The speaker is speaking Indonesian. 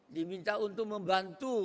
diminta untuk membantu